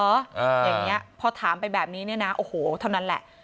อย่างนี้พอถามไปแบบนี้เนี่ยนะโอ้โหเท่านั้นแหละ